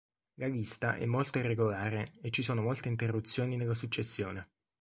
La lista è molto irregolare e ci sono molte interruzioni nella successione.